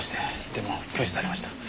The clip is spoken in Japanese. でも拒否されました。